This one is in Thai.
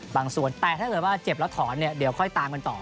บางส่วนแต่ถ้าเกิดว่าเจ็บแล้วถอนเนี่ยเดี๋ยวค่อยตามกันต่อ